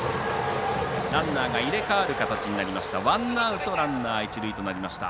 ランナーが入れ代わる形になりました。